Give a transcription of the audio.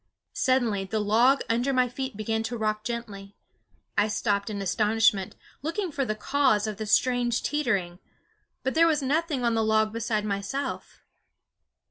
Suddenly the log under my feet began to rock gently. I stopped in astonishment, looking for the cause of the strange teetering; but there was nothing on the log beside myself.